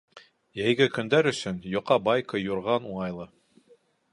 Йәйге көндәр өсөн йоҡа байка юрған уңайлы.